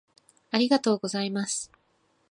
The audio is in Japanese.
「ありがとうございます」